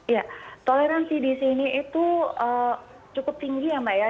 ya toleransi di sini itu cukup tinggi ya mbak ya